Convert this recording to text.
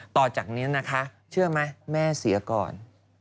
ต่อจากนี้นะคะเชื่อไหมแม่เสียก่อน